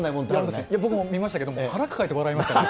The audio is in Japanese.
僕も見ましたけど、腹抱えて笑いましたね。